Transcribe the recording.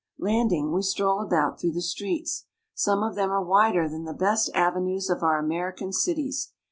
Landing, we stroll about through the streets. Some of them are wider than the best avenues of our American cities.